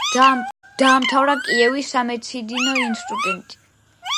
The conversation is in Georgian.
დაამთავრა კიევის სამედიცინო ინსტიტუტი.